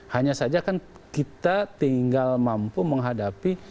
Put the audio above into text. hanya saja kan kita tinggal mampu menghadapi